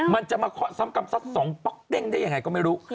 มันจะมาซ้ำกำสัตว์สองป๊อกเต้งได้ยังไงก็ไม่รู้